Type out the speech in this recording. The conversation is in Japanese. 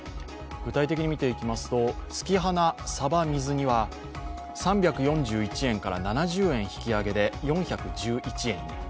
具体的に見ていきますと、月花さば水煮は３４１円から７０円引き上げで４１１円に。